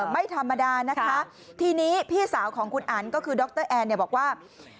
ไม่ธรรมดานะคะทีนี้พี่สาวของคุณอันก็คือดรแอนเนี่ยบอกว่า